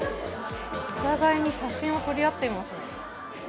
お互いに写真を撮り合っています。